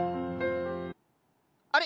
あれ？